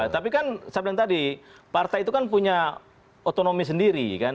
tapi kan saya bilang tadi partai itu kan punya otonomi sendiri kan